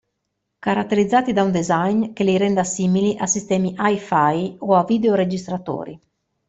Caratterizzati da un design che li renda simili a sistemi hi-fi o a videoregistratori.